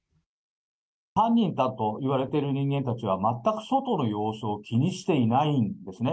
犯人だといわれてる人間たちは全く外の様子を気にしていないんですね。